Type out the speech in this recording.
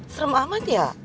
serem amat ya